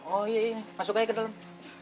oh iya masuk aja ke dalam